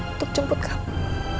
untuk jemput kamu